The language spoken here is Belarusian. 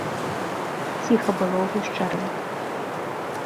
Ціха было ў гушчары.